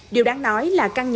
điều đáng nói là căn nhà